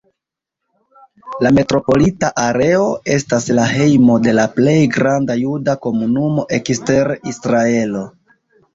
La metropolita areo estas la hejmo de la plej granda juda komunumo ekster Israelo.